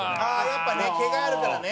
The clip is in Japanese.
やっぱね毛があるからね。